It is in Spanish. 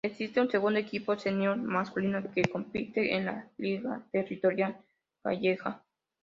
Existe un segundo equipo senior masculino que compite en la liga territorial gallega.